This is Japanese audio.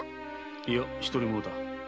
いや独り者だ。